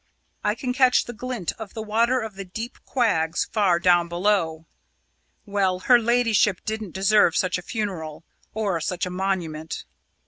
I can catch the glint of the water of the deep quags far down below. Well, her ladyship didn't deserve such a funeral or such a monument."